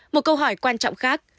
một câu hỏi quan trọng khác